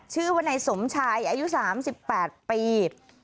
ชื่อว่านายสมชายอายุ๓๘ปี